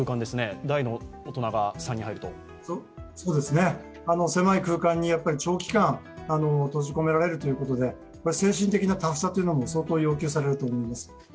あの狭い空間に長期間閉じ込められるということで精神的なタフさも相当要求されると思います。